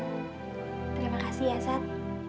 terima kasih ya sat